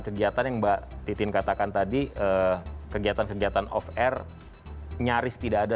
kegiatan yang mbak titin katakan tadi kegiatan kegiatan off air nyaris tidak ada